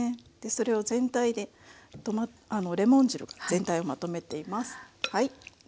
それをレモン汁が全体をまとめています。